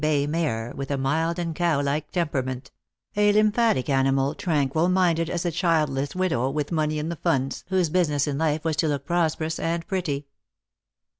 229 bay mare, with a mild and cow like temperament; a lymphatic animal, tranquil minded as a childless widow with money in the Funds, whose business in life was to look prosperous and pretty.